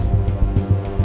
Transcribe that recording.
kita tak masalah